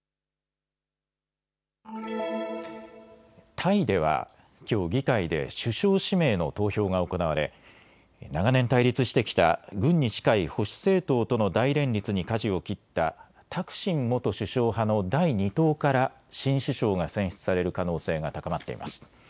タイではきょう議会で首相指名の投票が行われ長年対立してきた軍に近い保守政党との大連立にかじを切ったタクシン元首相派の第２党から新首相が選出される可能性が高まっています。